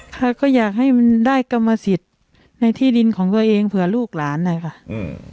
ค่ะก็อยากให้มันได้กรรมสิทธิ์ในที่ดินของตัวเองเผื่อลูกหลานนะคะอืม